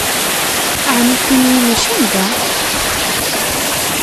Ɛni kenwi mačči n da?